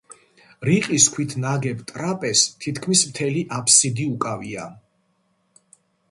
რიყის ქვით ნაგებ ტრაპეზს თითქმის მთელი აბსიდი უკავია.